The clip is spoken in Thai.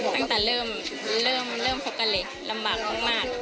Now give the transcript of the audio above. ตั้งแต่เริ่มคบกันเลยลำบากมาก